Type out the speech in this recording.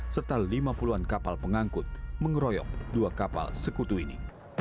serta lima puluh an kapal pengangkut mengeroyok dua kapal sekutu ini